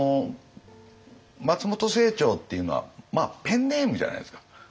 松本清張っていうのはペンネームじゃないですか。